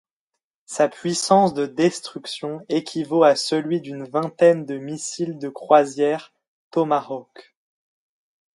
Sa puissance de destruction équivaut à celui d'une vingtaine de missiles de croisière Tomahawk.